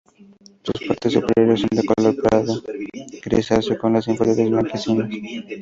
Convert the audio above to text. Sus partes superiores son de color pardo grisáceo con las inferiores blanquecinas.